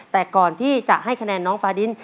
แต่ก่อนที่จะให้คะแนนน้องฟ้าดิน